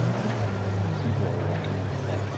People are walking in the park.